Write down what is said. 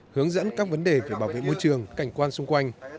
hướng dẫn các vấn đề về bảo vệ môi trường cảnh quan xung quanh